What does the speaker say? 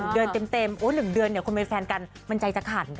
๑เดือนเต็มโอ้๑เดือนเนี่ยคนเป็นแฟนกันมันใจจะขัน